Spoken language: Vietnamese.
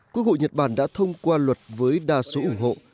quốc hội nhật bản đã thông qua luật với đa số ủng hộ